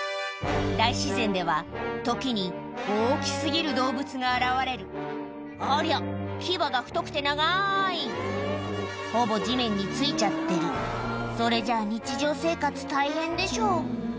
大自然では時に大き過ぎる動物が現れるありゃ牙が太くて長いほぼ地面についちゃってるそれじゃ日常生活大変でしょ